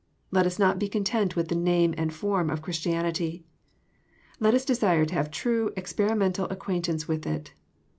Let us not be content with the name and form of Chris tianity. Let us desire to have true experimental acquaint ance with it.